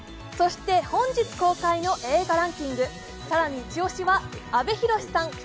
そして本日公開の映画ランキング、更に一押しは阿部寛さん